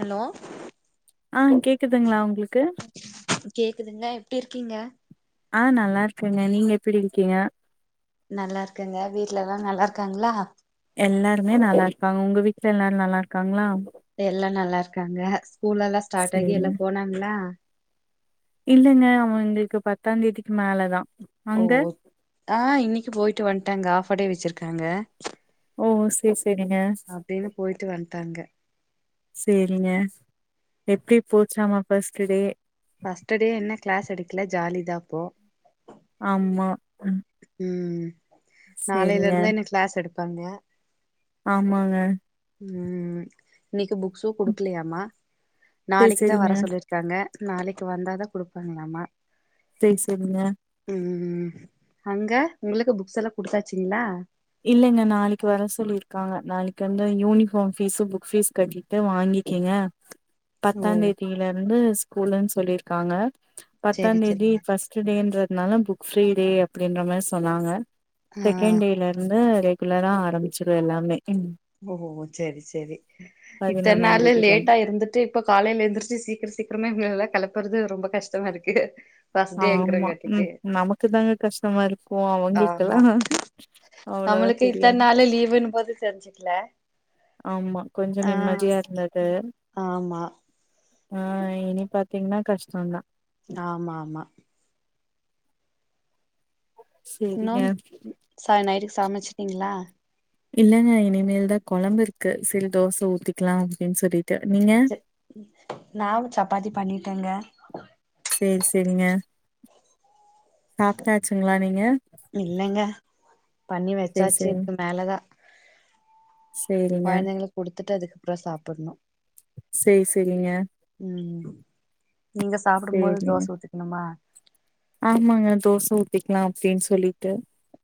Hello [inaudible] ஆ கேக்குதுங்களா உங்களுக்கு கேக்குதுங்க எப்டி இருக்கீங்க ஆ நல்லா இருக்கேங்க நீங்க எப்டி இருக்கீங்க நல்லா இருக்கங்க வீட்டு்ல எல்லா நல்லா இருக்காங்களா எல்லாருமே நல்லா இருக்காங்க உங்க வீட்டுல எல்லாரு நல்லா இருக்காங்களா எல்லா நல்லா இருக்காங்க ஸ்கூல் எல்லா ஸ்டார்ட் ஆகி சேரிங்க எல்லா போனாங்களா இல்லங்க அவங்களுக்கு பத்தாம் தேதிக்கு மேலதா ஓ அங்க ஆ இன்னைக்கு போயிட்டு வந்ட்டாங்க ஆஃப டே வச்சிருக்காங்க ஓ சேரி சேரிங்க அப்டின்னு போயிட்டு வந்துட்டாங்க சேரிங்க எப்டி போச்சாமா ஃபஸ்ட்டு டே ஃபஸ்ட்டு டே என்ன கிளாஸ் எடுக்கல ஜாலி தா அப்போ ஆமா ம் நாளையில சேரிங்க இருந்தா என்ன கிளாஸ் எடுப்பாங்க ஆமாங்க ம் இன்னைக்கு புக்ஸும் குடுக்கலயாமா சேரி நாளைக்குதா சேரிங்க வர சொல்லச்ச இருக்காங்க நாளைக்கு வந்தாதான குடுப்பாங்களாமா சரி சரிங்க ம் அங்க உங்களுக்கு புக்ஸ் எல்லா குடுத்தாச்சுங்களா இல்லைங்க நாளைக்கு வர சொல்லிருக்காங்க நாளைக்கு வந்து யூனிஃபார்ம் பீஸு புக் ஃபீஸ் கட்டிட்டு வாங்கிக்கீங்க ஓ பத்தா தேதியில இருந்து ஸ்கூல்லுனு சொல்லிருக்காங்க பத்தா சேரி தேதி சேரிங்க ஃபஸ்ட் டுடேன்றதுனால புக் ஃப்ரி டே அப்டின்ற மாரி சொன்னாங்க ஆ செக்கேன் டே வந்து ரெகுலரா ஆரம்பிச்சிடு எல்லாமே ஓ செரி செரி இத்தன பதினொன்னாந் நாள் தேதில இருந்து லேட்டா எருந்து ட்டு இப்ப காலையில எந்துருச்சு சீக்கிர சீக்கிரமா இவுங்கள எல்லா கெளப்புறது ரொம்ப கஷ்டமா இருக்கு ஃபர்ஸ்ட் ஆமா ம் டேங்கிறங்காட்டிக்கு நமக்கு தாங்க கஷ்டமா இருக்கு ஆமா அவுங்களுக்கெல்லா நம்மளுக்கு இத்தன் நாளு லீவுனும்போது தெரிஞ்சு ஆமா கொஞ்சொ நிம்மதியா இருந்தது ஆமா ஆ இனி பாத்திங்கன்னா கஷ்டொந்தா ஆமா ஆமா சேரிங்க இன்னொம் ச நைட்டுக்கு சமச்ட்டீங்களா இல்லங்க இனிமேல் தா கொழம்பு இருக்கு செரி தோச ஊத்திக்கலா அப்டின்னு சொல்லிட்டு நீங்க நானு சப்பாத்தி பண்ணிட்டேங்க சேரி சேரிங்க சாப்ட்டாச்சுங்களா நீங்க இல்லங்க பண்ணி சேரி வச்சாச்சுக்கு சேரி இதுக் மேலதா சேரிங்க கொழந்தைங்களுக் குடுத்துட்டு அதுக்கப்றொ சாப்டணு சேரி சேரிங்க ம் நீங்க சாப்புடும் போது தோச ஊத்திக்கணுமா ஆமாஙக தோச ஊத்திக்லா அப்டின் சொல்லிட்டு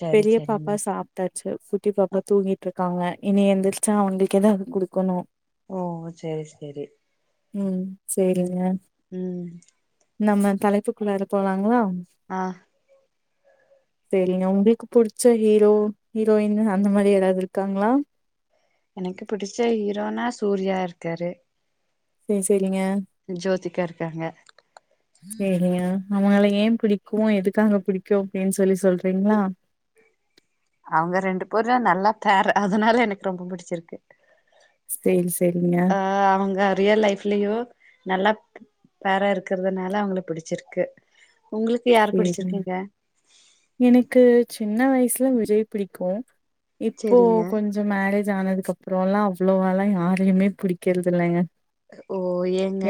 சரி பெரிய பாப்பா சரிங்க சாப் டாச்சு குட்டி பாப்பா தூங்கிட்டு இருக்காங்க இனி எந்திரிச்சா அவுங்களுக்கு எதாது குடுக்கணு ஓ சரி சரி ம் ம் சேரிங்க ம் நம்ம தலைப்புக்குள்ளார போலாங்களா ஆ சேரிங்க உங்ளுக்கு புடுச்ச ஹீரோ ஹீரோயின் அந்த மாரி யாராவது இருக்காங்களா எனக்கு பிடிச்ச ஹீரோனா சூர்யா இருக்காரு சேரி சேரிங்க ஜோதிக்கா இருக்காங்க அவுங்கள ஏன் பிடிக்கு எதுக்காக பிடிக்கு அப்டின்னு சொல்லி சொல்றீங்ளா அவுங்க ரெண்டு பேரு நல்ல பேர் அதுனால எனக்கு ரொம்ப புடுச்சிருக்கு சேரி சேரிங்க ஆ அவுங்க ரியல் லைஃப் லையு நல்லா பேரா இருக்கறதுனால அவுங்கள புடுச்சிருக்கு உங்களுக்கு யார சேரிங்க புடுச்சிருக்குங்க எனக்கு சின்ன வயசுல விஜய் பிடிக்கு இப்போ சரிங்க கொஞ் கொஞ்சொ மேரேஜ் ஆனதுக்கு அப்றோல்லா அவ்ளோவால்லா யாரையுமே புடிக்கிறது இல்லெங்க ஓ ஏங்க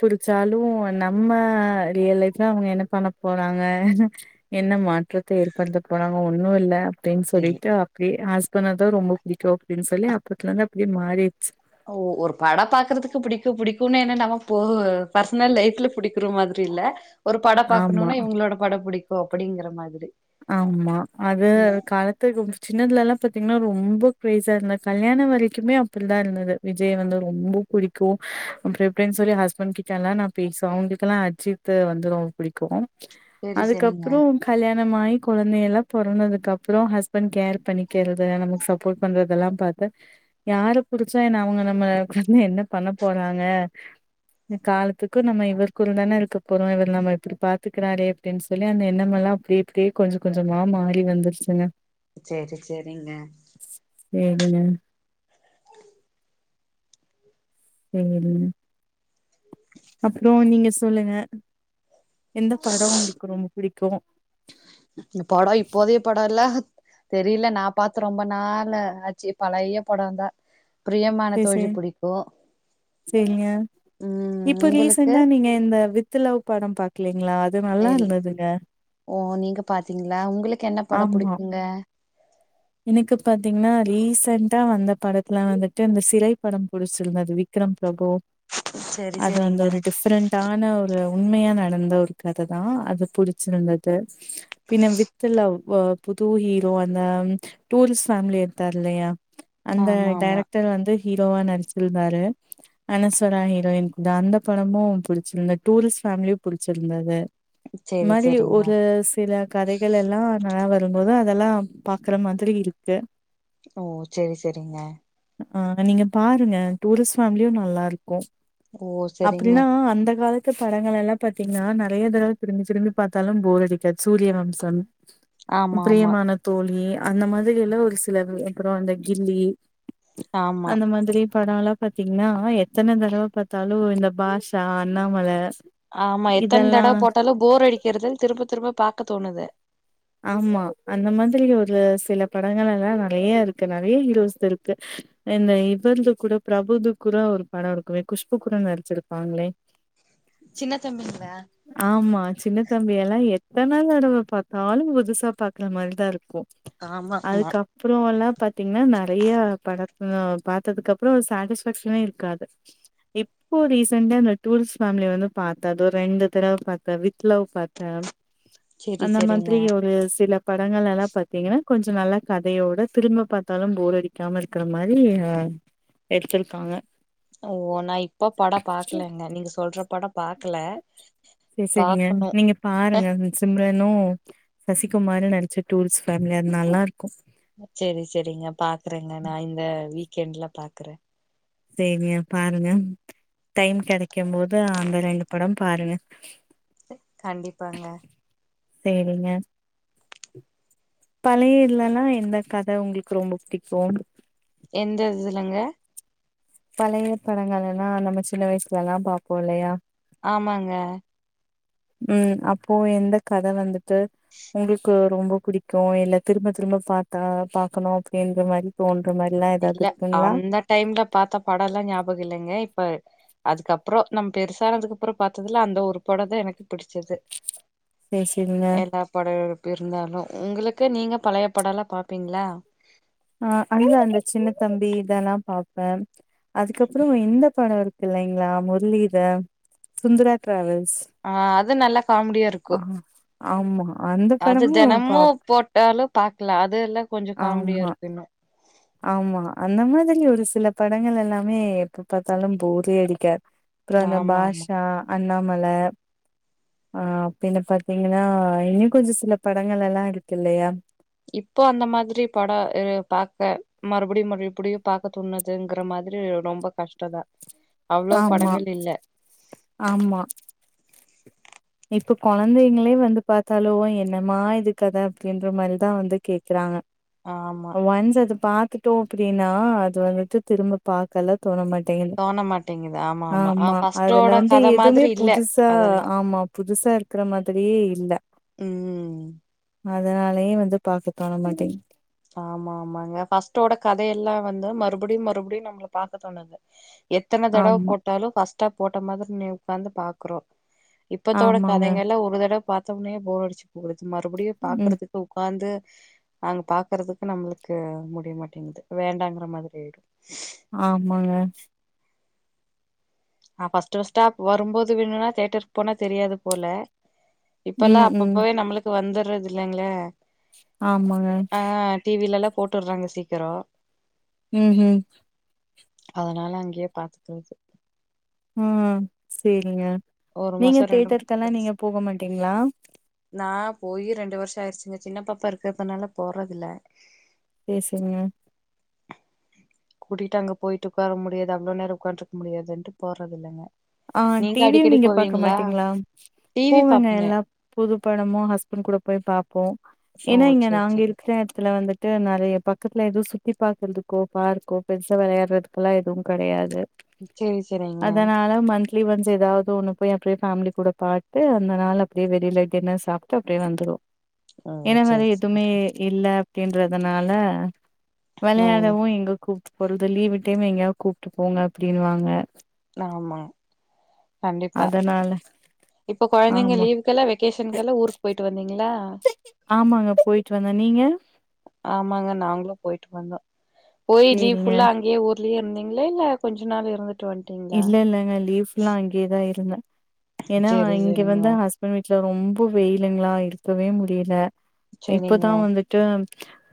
புடுச்சாலு நம்ம ரியல் லைஃப்ல அவுங்க என்ன பண்ண போறாங்க என்ன மாற்றத்த ஏற்படுத்த போறாங்க ஒன்னு இல்ல அப்டின்னு இல்ல சொல்லிட்டு அப்டி ஹஸ்பண்ட தா ரொம்ப புடிக்கு அப்டின்னு சொல்லி அப்பத்துலந்து அப்டியே மாறிர்ச்சு ஓ ஒரு பட பாக்குறதுக்கு புடிக்கு புடிக்குன்னு என்ன நம்ம போ பர்ஸ்னல் லைஃப்ல புடிக்கிற மாதிரி இல்ல ஒரு பட ஆமா பாக்கணுனா இவுங்களோட படொ புடிக்கு அப்டிங்கிற மாதிரி ஆமா அது ம் காலத் துகு சின்னதுலல்லா பாத்திங்கன்னா ரொம்ப க்ரேஸா இருந்தே கல்யாணொ வரைக்குமே அப்புட் தா இருந்தது விஜய் வந்து ரொம்ப புடிக்கு அப்டி இப்டின் சொல்லி ஹஸ்பண்ட் கிட்டெல்லா நா பேசுவே அவுங்களுக்கெல்லா அஜி த்து வந்து ரொம்ப புடிக்கு செரி செரிங்க அதுக்கப்றொ கல்யா ணமாயி கொழந்தையல்லா பொறந்ததுக்கு அப்றொ ஹஸ்பண்ட் கேர் பண்ணிக்கெறது நமக்கு சப்போர்ட் பண்றதெல்லா பாத்து யார புடுச்சா என்ன அவுங்க நம்மளுக் வந்து என்ன பண்ண போறாங்க காலத்துக்கு நம்ம இவருக்குட தான இருக்க போறோ இவர் நம்ம இப்டி பாத்துக்குறாரே அப்டின் சொல்லி அந்த எண்ணமெல்லா அப்டியே அப்டியே கொஞ்சொ கொஞ்சமா மாறி வந்துருச்சுங்க சேரி சேரிங்க வேறென்ன [unintelligible] அப்றோ நீங்க சொல்லுங்க எந்த படோ உங்களுக்கு ரொம்ப புடிக்கு ந்த படோ இப்போதய படோ இல்ல தெரில நா பாத்து ரொம்ப நாள் ஆச்சு பழைய படந்தா பிரியமான சேரி தோழி சேரி புடிக்கு சேரிங்க ம் இப்போ உங்களுக்கு ரீசண்டா நீங்க இந்த வித் த் லவ் படோ பாக்கலீங்களா அது இல் நல்லாருந்துதுங்க ஓ நீங்க பாத்தீங்களா ஒங்களுக் ஆமா எனக்கு பாத்தீங்கன்னா ரீசன்டா வந்த படத்துல வந்துட்டு இந்த சிறை படோ புடிச்சிருந்தது வி விக்ரம் பிரபு செரி அது வந்து செரிங்க ஒரு டிஃப்ரென்ட் டான ஒரு உண்மையா நடந்த ஒரு கத தா அது புடிச்சிருந்தது பின்ன வித் து லவ் புது ஹீரோ அந்த டூரிஸ் ஃபேமிலி எடுத்தார் இல்லையா அந்த ஆமா ஆமா டைரக்டர் வந்து ஹீரோவா நடிச்சிருந்தாரு அனஸ்வரா ஹீரோயின் அந்த படமு புடிச்சிருந்தது டூரிஸ் ஃபேமிலியு புடிச்சிருந்தது ன் செரி மாரி செரிங்க ஒரு சில கதைகளல்லா நல்லா வரும்போது அதெல்லா பாக்குற மாதிரி இருக்கு ஓ சேரி சேரிங்க ஆ நீங்க பாருங்க டூரிஸ்ட் ஃபேமிலியு நல்லாருக்கு ஓ செரிங்க அப்டின்னா அந்த காலத் து படங்களல்லா பாத்தீங்கன்னா நறைய தடவ திரும்பி திரும்பி பாத்தாலு போர் அடிக்காது சூரிய வம்சம் ஆமா ஆமா பிரியமான தோழி அந்த மாதிரிஎல்லா ஒரு சிலது அப்புறோ அந்த கில்லி ஆமா அந்த மாதிரி இப்ப ஆநால பாத்தீங்கன்னா எத்தன தடவ பாத்தாலு இந்த பாஷா அண்ணாமல ஆமா எத்தன இதெல்லா தடவ போட்டாலு போர் அடிக்கிறதுன்னு திரும்ப திரும்ப பாக்க தோணுது ஆமா அந்த மாதிரி ஒரு சில படங்களல்லா நறைய இருக்கு நறையா ஹீரோஸ்து இருக்கு இந்த இவர்து கூட பிரபுது கூட ஒரு படோ இருக்குமே குஷ்புக்குட நடிச்சிருப்பாங்களே சின்னத்தம்பிங்களா ஆமா சின்ன தம்பி எலா எத்த நாள் தடவ பாத்தாலு புதுசா பாக்குற மாரிதா இருக்கு ஆமா ஆமா அதுக்கப் அப்பறம் எல்லா பாத்தீங்கன்னா நெறய படத்த பாத்ததுக்கு அப்பறோ சாட்டிஸ்பேக்ஷனே இருக்காது இப் போ ரீசெண்ட்டா அந்த டூ ரி்ஸ்ட் ஃபேமிலிய வந்து பாத்தே அது ரெண்டு தடவ பாத்தே வித்லவ் பாத்தே செரி சேரிங்க ஒரு சில படங்களல்லா பாத்தீங்கன்னா கொஞ்ச நல்லா கதயோட திரும்ப பாத்தாலு போர் அடிக் காம இருக்குரமாரி எடுத்திருக்காங்க ஓ நா இப்ப படோ பாக்கலங்க நீங்க சொல்ற படம் பாக்கல சரி சரிங்க பாக்கணு நீங்க பாருங்க சிம்ரனு சசிகுமாரு நடிச்ச டூரிஸ்ட் ஃபேமிலி அது நல்லாருக்கு சேரி சேரிங்க பாக்குறேங்க நா இந்த வீக்கெண்ட்ல பாக்குறே சேரியா பாருங்க டைம் கெடைக்கும் போது அந்த ரெண்டு படம் பாருங்க கண்டிப்பாங்க சேரிங்க பழைய இதுல்லா எந்த கத உங்களுக்கு ரொம்ப புடிக்கும் எந்த இதுலங்க பழைய படங்கள்ல்லா நம்ம சின்ன வயசுல எல்லா பாப்போ இல்லயா ஆமாங்க ம் அப்போ எந்த கத வந்துட்டு உங்களுக்கு ரொம்ப புடிக்கும் இல்ல திரும்ப திரும்ப பாத்தா பாக்கணும் அப்டின்ற மாரி தோன்ற மாரி எல்லா ஏதாவது இல்ல இருக்குங்களா அந்த டைம்ல பாத்த பட எலாம் ஞாபக இல்லங்க இப்ப அதுக்கப்பற நம்ம பெருசானதுக்கு அப்பற பாத்ததுல அந்த ஒரு பட தா எனக்கு புடிச்சது சரி சரிங்க எல்லார் படம் எப்பு இருந்தாலு உங்களுக்கு நீங்க பழைய படம் எல்லா பாப்பீங்களா ஆஹ் ஐயா அந்த சின்ன தம்பி இதெலா பாப்ப அதுக்கப்பற இந்த பட இருக்கு இல்லிங்களா முரளி இந்த சுந்தரா டிராவல்ஸ் ஆ அது நல்ல காமடியா ஆ இருக்கும் ஆமா அந்த அது படமு பாப் தெனமும் போட் டாலும் பாக்கலா அது எல்லா கொஞ்ச காமெடியா ஆமா இருக்கு இன்னும் ஆமா அந்த மாரி ஒரு சில படங்கள் எல்லாமே எப்ப பாத்தாலு போரே அடிக்காது அப்பற அந்த ஆமா ஆமா பாட்ஷா அண்ணாமல ஆ அப்டின்னு பாத்தீங்கன்னா இன்னும் கொஞ்ச சில படங்கள் எல்லா இருக்கு இல்லயா இப்போ அந்த மாதிரி பட இரு பாக்க மறுபடியு மறுபடியு பாக்க தோணுதுங்கற மாரி ரொம்ப கஷ்ட தா அவ்ளோ ஆமா படங்கள் இல்ல ஆமா இப்ப கொழந்தைங்களே வந்து பாத்தாலு என்னமா இது கத அப்டின்ற மாரிதா வந்து கேக்குறாங்க ஆமா ஒன்ஸ் அது பாத்துட்டோ அப்டின்னா அது வந்துட்டு திரும்ப பாக்கல்லா தோண மாட்டங்கிது தோண மாட்டேங்குது ஆ ஆமா அதுல ஃபர்ஸ்ட்டோட வந்து கத எதுமே மாதிரி இல்ல புதுசு புதுசா அதெல்லா ஆமா புதுசா இருக்குற மாதிரியே இல்ல ம் அதனாலயே வந்து பாக்க தோண மாட்டங்குது ஆமா ஆமாங்க ஃபர்ஸ்டோட கதையெலா வந்து மறுபடியு மறுபடியு நம்மள பாக்க தோணுது எத்தன தடவ ஆமா. போட்டாலு ஃபர்ஸ்ட்டா போட்ட மாதிரி ஒக்காந்து பாக்குறோ இப்பத்தோட ஆமாங்க. கதைங்கள்ல்ல ஒரு தடவ பாத்தோடனே போர் அடிச்சு போறது மறுபடியு ம். பாக்கறதுக்கு ஒக்காந்து அங்க பா கறதுக்கு நம்மளுக்கு முடிய மாட்டங்குது வேண்டாங்கற மாதிரி ஆயிடு ஆமாங்க ஆ ஃபஸ்ட்டு ஃபஸ்டா வரும் போது வேணும்னா தேட்டருக்கு போனா தெரியாது போல இப்பல்லா ம், ம். அப்பப்போவே நம்மளுக்கு வந்துறது இல்லங்களே ஆமாங்க. ஆ டிவிலல்லாம் போட்டுறாங்க சீக்கிர ம்ம் அதனால அங்கயே பாத்துக்கறது ம் சேரிங்க ஒரு நீங்க மாசோ ரெண்டு தேட்டருக்கெல்லா மாசோ நீங்க போக மாட்டீங்களா நா போயி ரெண்டு வருஷ ஆயிருச்சுங்க சின்னப்பாப்பா இருக்கறதுனால போறது இல பேசுங்க கூட்டிட்டு அங்க போயிட்டு ஒக்கார முடியாது அவ்ளோ நேர உக்காந்துட்ருக்க முடியாதுன்ட்டு போறதுல்லங்க ஆ டிவியு நீங்க பாக்க மாட்டீங்களா டிவி பாப்பீங்க புது படமு ஹஸ்பண்ட் கூட போய் பாப்போம் ஓ ஏன்னா இங்க செரி நாங்க செரி இருக்கற எடத்துல வந்து ட்டு நெறைய பக்கத்துல எதுவும் சுத்தி பாக்குறதுக்கோ பார்க்கோ பெருசா வெளையாடுறதுக்கெல்லாம் எதுவும் கெடையாது செரி செரிங்க அதா மன்ந்த்லி ஒன்ஸ் எதாவது ஒண்ணு போய் அப்டியே ஃபேமிலி கூட பாத்து அந்த நாள் அப்டியே வெளியில டின்னர் சாப் டு அப்டியே வந்துருவோ ஓ என்ன மாரி செரி செரி எதுமே இல்ல அப்டின்றதுனால ஓ வெளையாடவும் எங்க கூப்ட்டு போறது லீவு டைம் எங்கயா கூப்ட்டு போங்க அப்டின்னுவாங்க ஆமா கண்டிப்பா அதனால இப்ப கொழந்தைங்க ஆமா லீவ் குல்லா வெகேஷனுகெல்லா ஊருக்கு போயிட்டு வந்தீங்களா ஆமாங்க போயிட்டு வந்த நீங்க ஆமாங்க நாங்களும் போயிட்டு வந்தோ போய் லீவ் சேரிங்க ஃபுல்லா அங்கேயே ஊ ர்லே இருந்தீங்களா இல்ல கொஞ்சோ நாள் இருந்துட்டு வன் இல்ல இல்லங்க லீவ் ஃபுல்லா அங்கேதா இருந்தோ ஏன்னா செரி இங்க செரிங்க வந்து ஹஸ் பண்ட் வீட்ல ரொம்ப வெயிலுங்ளா இருக்கவே முடியல செரிங்க இப்பதா வந்துட் டு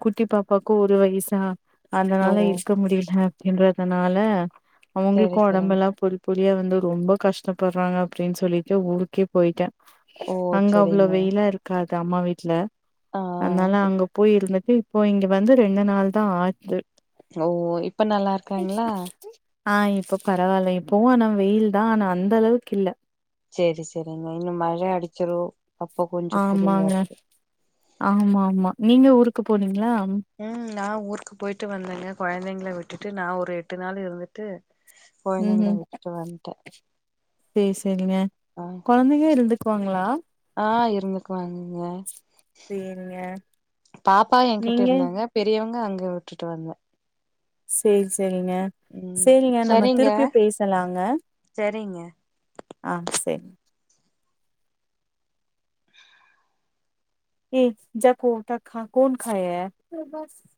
குட்டி பாப்பாக்கு ஒரு வய்சா ஓ அதனால இருக்க முடியல ன்றதுனால செரி அவங்களுக்கு செரிங்க உடம்பெல்லா ப் பொரி பொரியா வந்து ரொம்ப கஷ்டப்பட்றாங்க அப்டின் சொல்லிட்டு ஊருக்கே போயிட்டே ஓ அங்க அவ்ளோ செரிங்க வெயிலாருக் காது அம்மா வீட்ல ஆ அதனால இப்- அங்க போய் இருந்துட்டு இப்போ இங்க வந்து ரெண்டு நாள் தா ஆகுது ஓ இப்ப நல்லாருக்காங்களா ஆ இப்போ பரவால்ல இப்பவு ஆனா வெயில் தா ஆனா அந்த அளவுக்கு இல்ல சேரி சேரிங்க இன்னு மழ அடிச்சிரும் ஆமாங்க ஆமாமா நீங்க ஊருக்கு போனீங்களா ம் நா ஊருக்கு போயிட்டு வந்தேங்க கொழந்தைங்கள விட்டுட்டு நா ஒரு எட்டு நாள் இருந்துட்டு ம் கொழந்தைங்கள ம் விட்டுட்டு வந்ட்டே சேர் செரிங்க ஆ ஆ இருந்துக்குவாங்கங்க சேரிங்க பாப்பா எங்க்கிட்ட நீங்க? இருந்தாங்க பெரியவங்க அங்க விட்டுட்டு வந்தே சேர் சேரிங்க ம் சேரிங்க நம்ம சரிங்க திருப்பியு பேசலாங்க சரிங்க ஆ செரி [unintelligible]